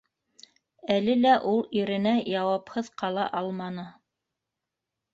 Әле лә ул иренә яуапһыҙ ҡала алманы: